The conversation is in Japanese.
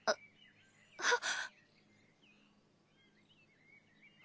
あっ！